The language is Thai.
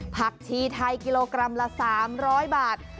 ผักชีไทยกิโลกรัมละ๓๐๐บาท